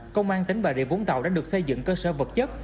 công an tỉnh bà rịa vũng tàu đã được xây dựng cơ sở vật chất